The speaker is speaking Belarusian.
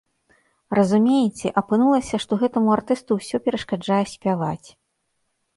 Разумееце, апынулася, што гэтаму артысту ўсё перашкаджае спяваць.